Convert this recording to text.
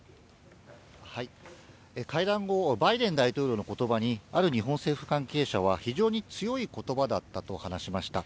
会談後、バイデン大統領のことばに、ある日本政府関係者は、非常に強いことばだったと話しました。